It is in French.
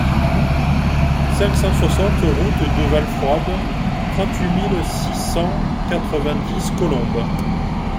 cinq cent soixante route de Valfroide, trente-huit mille six cent quatre-vingt-dix Colombe